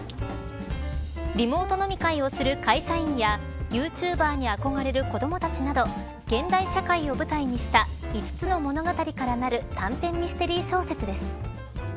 リモート飲み会をする会社員やユーチューバーに憧れる子どもたちなど現代社会を舞台にした５つの物語からなる短編ミステリー小説です。